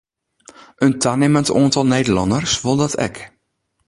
In tanimmend oantal Nederlânners wol dat ek.